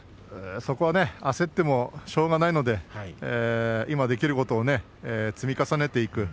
そこは焦ってもしょうがないので今できることを積み重ねていく。